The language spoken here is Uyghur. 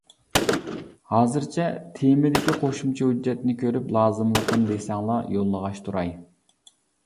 ھازىرچە تېمىدىكى قوشۇمچە ھۆججەتنى كۆرۈپ لازىملىقنى دېسەڭلار يوللىغاچ تۇراي.